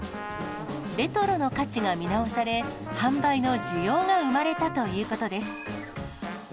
レトロの価値が見直され、販売の需要が生まれたということです。